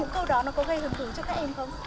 câu đó nó có gây hưởng thưởng cho các em không